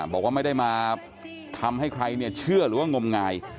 บอกว่าไม่ได้มาทำให้ใครเชื่อหรือว่างมงาย